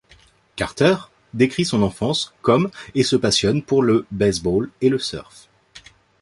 Carter décrit son enfance comme et se passionne pour le baseball et le surf.